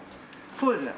そうですね。